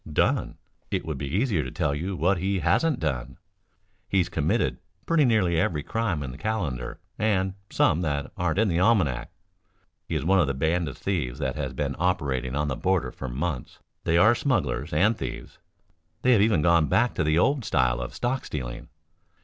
"Done? It would be easier to tell you what he hasn't done. He's committed pretty nearly every crime in the calendar and some that aren't in the almanac. He is one of a band of thieves that has been operating on the border for months. They are smugglers and thieves. They have even gone back to the old style of stock stealing.